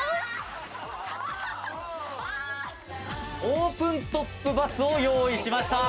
オープントップバスを用意しました。